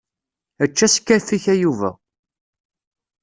Ečč askaf-ik a Yuba.